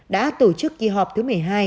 đã tổ chức kỳ họp thứ một mươi hai